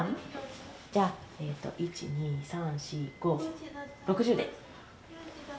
じゃあ１２３４５６０で。